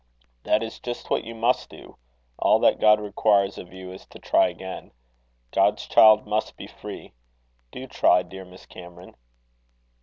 "That is just what you must do. All that God requires of you is, to try again. God's child must be free. Do try, dear Miss Cameron."